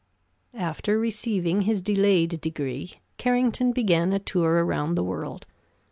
After receiving his delayed degree Carrington began a tour around the world.